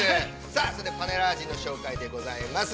さあそれでは、パネラー陣の紹介でございます。